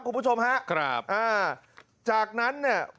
คุณผู้ชมฮะครับอ่าจากนั้นเนี่ย